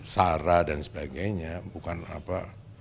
sara dan sebagainya bukan apa